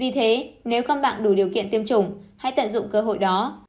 vì thế nếu các bạn đủ điều kiện tiêm chủng hãy tận dụng cơ hội đó